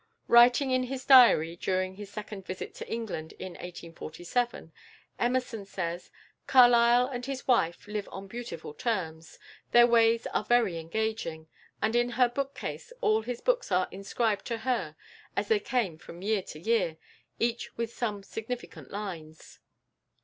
Writing in his Diary during his second visit to England in 1847, Emerson says: "Carlyle and his wife live on beautiful terms. Their ways are very engaging, and in her bookcase all his books are inscribed to her as they came from year to year, each with some significant lines."